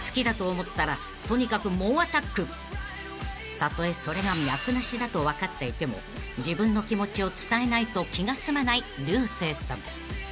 ［たとえそれが脈なしだと分かっていても自分の気持ちを伝えないと気が済まない竜星さん］